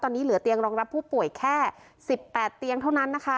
ตอนนี้เหลือเตียงรองรับผู้ป่วยแค่๑๘เตียงเท่านั้นนะคะ